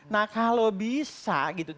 nah kalau bisa gitu